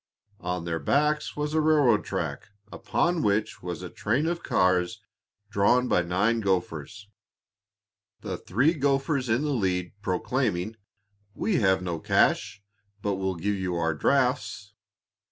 On their backs was a railroad track, upon which was a train of cars drawn by nine gophers, the three gophers in the lead proclaiming, "We have no cash, but will give you our drafts."